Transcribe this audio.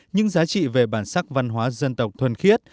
những giá trị về bản sắc văn hóa dân tộc thuần khiết